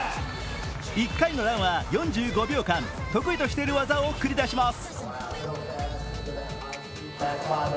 １回のランは４５秒間、得意としている技を繰り出します。